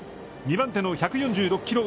２番手の１４６キロ